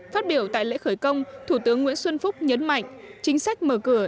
phát biểu tại lễ khởi công thủ tướng nguyễn xuân phúc nhấn mạnh chính sách mở cửa